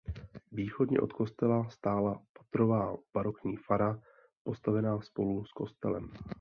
Východně od kostela stála patrová barokní fara postavená spolu s kostelem.